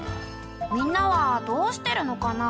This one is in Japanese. みんなはどうしてるのかな？